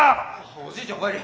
おじいちゃんおかえり。